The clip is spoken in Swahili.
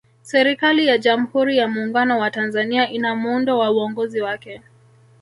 serikali ya jamhuri ya muungano wa tanzania ina muundo wa uongozi wake